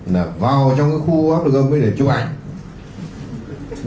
là vào trong cái khu áp lực âm ấy để chụp ảnh